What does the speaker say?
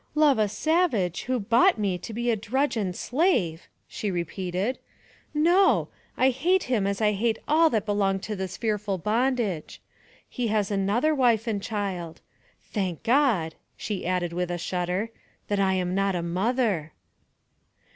' Love a savage, who bought me to be a drudge and slave!" she repeated. " No! I hate him as I hate all that belong to this fearful bondage. He has another wife and a child. Thank God!" she added, with a fill udder, " that I am not a mother!